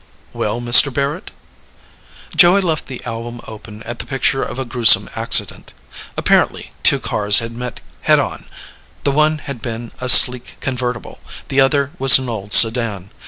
"Well, Mr. Barrett?" Joey left the album open at the picture of a gruesome accident. Apparently, two cars had met head on. The one had been a sleek convertible. The other was an old sedan.